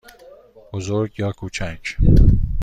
بزرگ یا کوچک؟